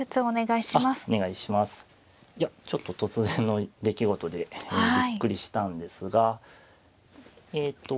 いやちょっと突然の出来事でびっくりしたんですがえっと